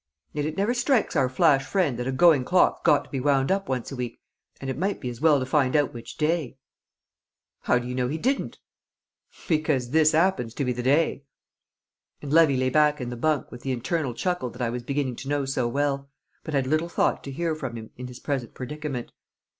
Yet it never strikes our flash friend that a going clock's got to be wound up once a week, and it might be as well to find out which day!" "How do you know he didn't?" "Because this 'appens to be the day!" And Levy lay back in the bunk with the internal chuckle that I was beginning to know so well, but had little thought to hear from him in his present predicament.